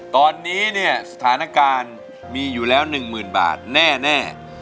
ตอนนี้เนี่ยสถานการณ์มีอยู่แล้ว๑หมื่นบาทแน่